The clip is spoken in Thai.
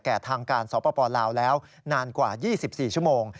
แก่ทางการสอบประปอล์ลาวแล้วนานกว่า๒๔ชั่วโมง